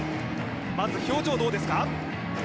まず表情どうですか？